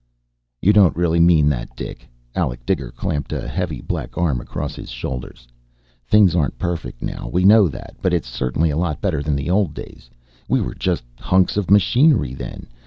"You don't really mean that, Dik," Alec Diger clamped a heavy black arm across his shoulders. "Things aren't perfect now, we know that, but it's certainly a lot better than the old days, we were just hunks of machinery then.